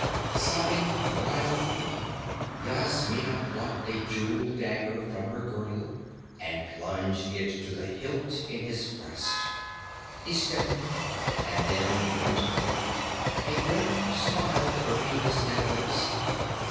_' Sobbing wildly, Yasmina plucked a jeweled dagger from her girdle and plunged it to the hilt in his breast. He stiffened and then went limp, a grim smile curving his dead lips.